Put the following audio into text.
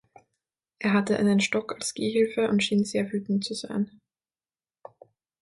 Er hatte einen Stock als Gehhilfe und schien sehr wütend zu sein.